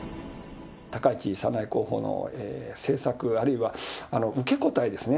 高市早苗候補の政策、あるいは受け答えですね。